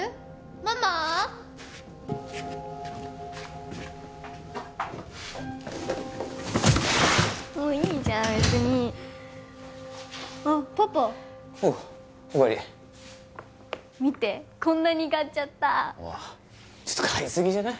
ママいいじゃん別にあっパパおうお帰り見てこんなに買っちゃったちょっと買いすぎじゃない？